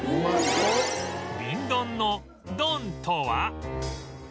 瓶ドンの「ドン」とは？